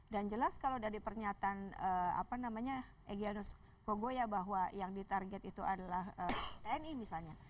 dan jelas kalau dari pernyataan egyanus bogoya bahwa yang ditarget itu adalah tni misalnya